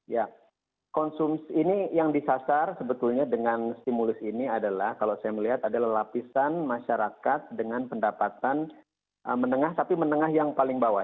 ya konsumsi ini yang disasar sebetulnya dengan stimulus ini adalah kalau saya melihat adalah lapisan masyarakat dengan pendapatan menengah tapi menengah yang paling bawah